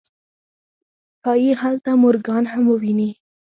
ښايي هلته مورګان هم وويني.